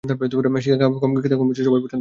শিক কাবাব খেতে কমবেশি সবাই পছন্দ করেন।